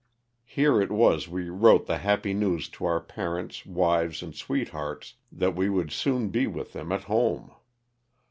Here it was we wrote the happy news to our parents, wives, and sweethearts that we would soon be with them at home.